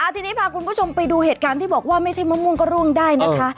ทีนี้พาคุณผู้ชมไปดูเหตุการณ์ที่บอกว่าไม่ใช่มะม่วงก็ร่วงได้นะคะ